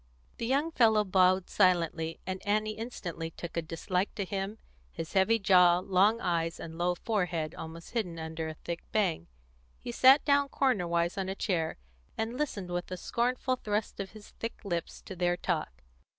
The young fellow bowed silently, and Annie instantly took a dislike to him, his heavy jaw, long eyes, and low forehead almost hidden under a thick bang. He sat down cornerwise on a chair, and listened, with a scornful thrust of his thick lips, to their talk.